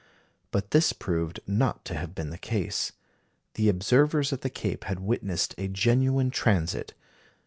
But this proved not to have been the case. The observers at the Cape had witnessed a genuine transit.